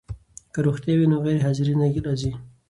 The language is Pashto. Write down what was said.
که روغتیا وي نو غیرحاضري نه راځي.